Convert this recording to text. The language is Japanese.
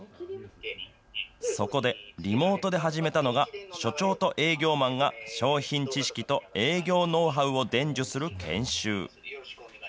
そこで、リモートで始めたのが、所長と営業マンが商品知識と営業ノウハウを伝授する研修。